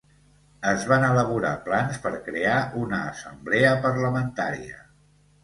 Es van elaborar plans per crear una assemblea parlamentària.